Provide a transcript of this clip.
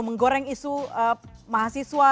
menggoreng isu mahasiswa